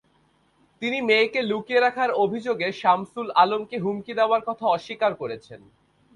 তিনি মেয়েকে লুকিয়ে রাখার অভিযোগে শামসুল আলমকে হুমকি দেওয়ার কথা অস্বীকার করেছেন।